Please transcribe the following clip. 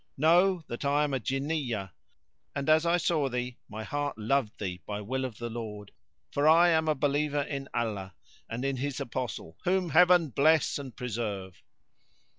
Know—that I am a Jinniyah, and as I saw thee my heart loved thee by will of the Lord, for I am a believer in Allah and in His Apostle (whom Heaven bless and preserve!).